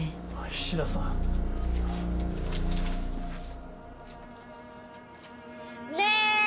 菱田さん。ね！